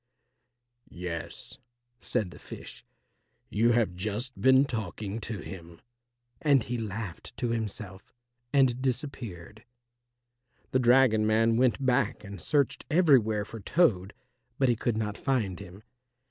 "Yes," said the fish, "you have just been talking to him," and he laughed to himself and disappeared. The dragon man went back and searched everywhere for Toad, but he could not find him.